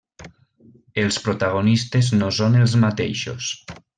Els protagonistes no són els mateixos.